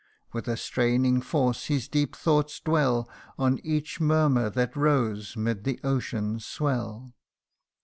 With a straining force his deep thoughts dwell On each murmur that rose 'mid the ocean's swell.